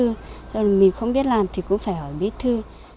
điều múa như nào thì đi hỏi chú ấy mình không biết làm thì cũng phải hỏi bí thư